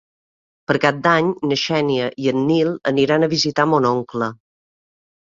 Per Cap d'Any na Xènia i en Nil aniran a visitar mon oncle.